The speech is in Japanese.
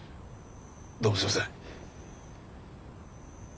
どうもすいません。